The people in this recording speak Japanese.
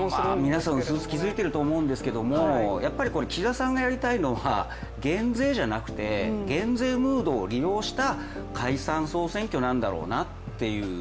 皆さん薄々気づいていると思うんですけれども岸田さんがやりたいのは減税じゃなくて、減税ムードを利用した解散総選挙なんだろうなっていう。